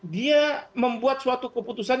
dia membuat suatu keputusan